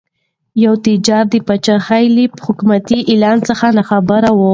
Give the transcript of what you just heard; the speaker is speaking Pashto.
یو تاجر د پادشاه له حکومتي اعلان څخه ناخبره و.